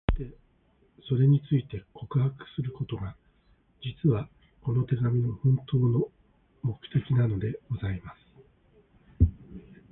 そして、それについて、告白することが、実は、この手紙の本当の目的なのでございます。